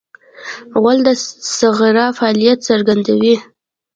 غول د صفرا فعالیت څرګندوي.